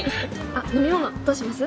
飲み物どうします？